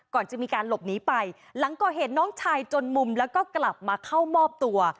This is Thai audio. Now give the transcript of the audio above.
ก่อนจะมีการหลบหนีไปหลังก่อเหตุน้องชายจนมุมแล้วก็กลับมาเข้ามอบตัว